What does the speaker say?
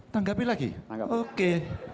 tanggapi lagi oke